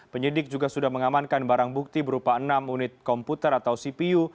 penyidik juga sudah mengamankan barang bukti berupa enam unit komputer atau cpu